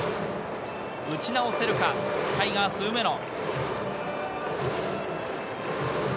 打ち直せるか、タイガース・梅野。